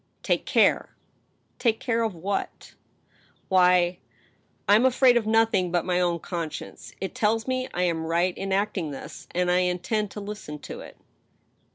"Take care!" " Take care of what ?" ««Why— "" I am afraid of nothing but my own conscience. It tells me I am right in acting thus. And I intend to listen to it."